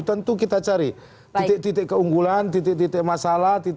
tentu kita cari titik titik keunggulan titik titik masalah